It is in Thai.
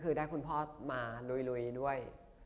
คือได้คุณพ่อมาลุยด้วย